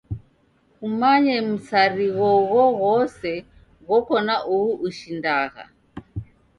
Kumanye msarigho ughjoghose ghoko na uhu ushindagha.